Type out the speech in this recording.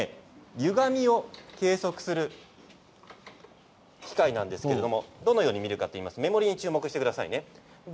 ゆがみを計測する機械なんですけれどどのように見るかといいますと目盛りに注目してください。